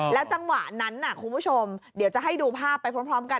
จังหวะนั้นคุณผู้ชมเดี๋ยวจะให้ดูภาพไปพร้อมกัน